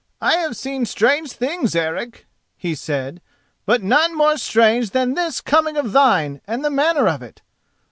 "I have seen strange things, Eric," he said, "but none more strange than this coming of thine and the manner of it.